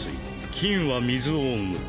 金は水を生む。